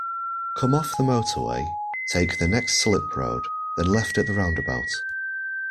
Come off the motorway, take the next slip-road, then left at the roundabout